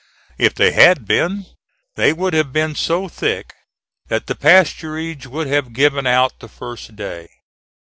If they had been, they would have been so thick that the pasturage would have given out the first day.